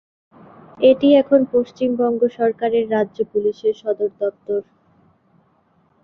এটি এখন পশ্চিমবঙ্গ সরকারের রাজ্য পুলিশের সদর দপ্তর।